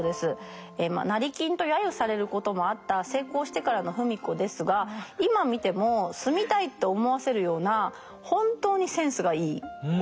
成金と揶揄されることもあった成功してからの芙美子ですが今見ても住みたいと思わせるような本当にセンスがいいお宅です。